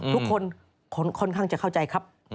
ทุกคนค่อนข้างจะเข้าใจครับ